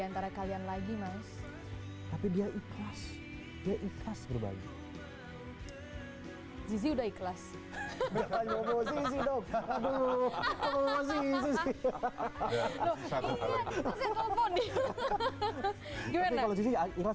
rumah kalian lagi mas tapi dia ikhlas ya ikhlas berbagi ini udah ikhlas hahaha hahaha hahaha